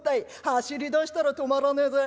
走りだしたら止まらねえぜ。